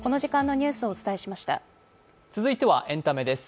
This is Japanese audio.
つづいてはエンタメです。